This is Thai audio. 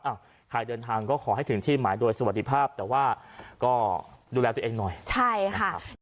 ใครเดินทางก็ขอให้ถึงที่หมายโดยสวัสดีภาพแต่ว่าก็ดูแลตัวเองหน่อยใช่ค่ะ